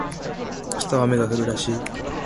明日は雨が降るらしい